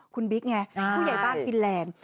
คุณบิ๊กไงผู้ใหญ่บ้านฟินแลนด์